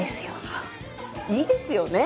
いいですよね